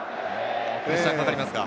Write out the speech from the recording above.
プレッシャーがかかりますか？